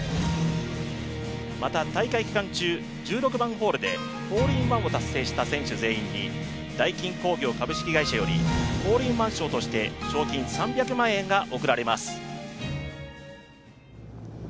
また大会期間中１６番ホールでホールインワンを達成した選手全員にダイキン工業株式会社よりホールインワン賞として賞金３００万円が贈られます。